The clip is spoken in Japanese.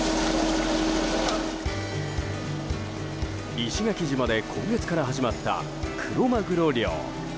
石垣島で今月から始まったクロマグロ漁。